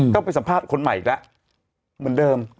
ก็ไปสัมภาษณ์คนใหม่อีกแล้วเหมือนเดิม